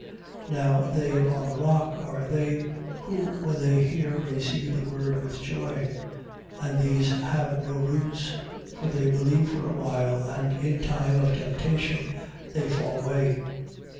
8:13. Now they upon the rock are they who when they hear receive the word with joy: and these have no roots: for they believe for a while and in time of temptation they fall away.